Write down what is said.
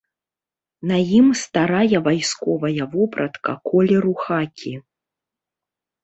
На ім старая вайсковая вопратка колеру хакі.